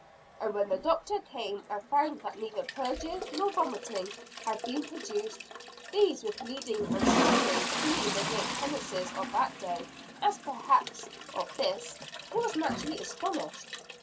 And when the Doctor came, and found that neither purging nor vomiting had been produced, these with bleeding and sweating being the great panaceas of that day as perhaps of this he was naturally astonished.